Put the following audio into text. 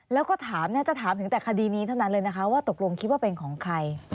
แล้วถามตรงคดีนี้ที่ความตกลงน่วมถามว่าเป็นของใคร